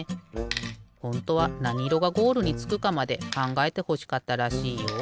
ほんとはなにいろがゴールにつくかまでかんがえてほしかったらしいよ。